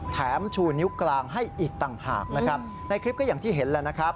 ชูนิ้วกลางให้อีกต่างหากนะครับในคลิปก็อย่างที่เห็นแล้วนะครับ